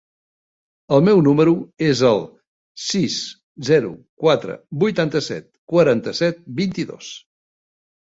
El meu número es el sis, zero, quatre, vuitanta-set, quaranta-set, vint-i-dos.